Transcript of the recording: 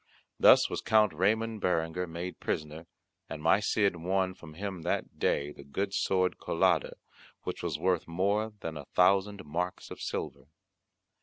Thus was Count Ramon Berenguer made prisoner, and my Cid won from him that day the good sword Colada, which was worth more than a thousand marks of silver.